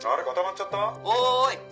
おい！